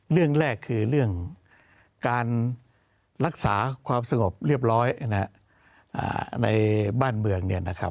เรื่องแรกคือเรื่องการรักษาความสงบเรียบร้อยในบ้านเมืองเนี่ยนะครับ